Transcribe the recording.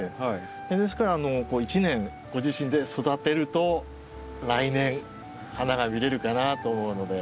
ですから１年ご自身で育てると来年花が見れるかなと思うので。